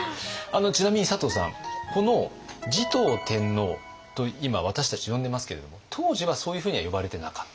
ちなみに佐藤さんこの持統天皇と今私たち呼んでますけれども当時はそういうふうには呼ばれてなかった？